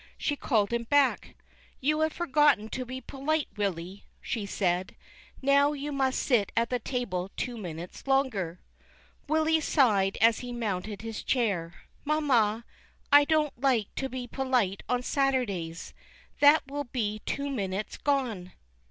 She called him back. " T on 3S2 THE KING CAT. 353 have forgotten to be polite, Willy," she said; "now you must sit at the table two minutes longer." Willy sighed as he mounted his chair. "Mamma, I don't like to be polite on Saturdays; that will be two whole minutes gone.